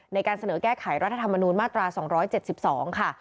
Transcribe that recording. ในการเสนอแก้ไขรัฐธรรมนูญมาตรา๒๗๒ค่ะ